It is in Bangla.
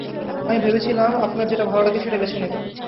আমি ভেবেছিলাম আপনার যেটা ভালো লাগে সেটা বেছে নেবেন।